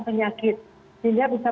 penyakit sehingga bisa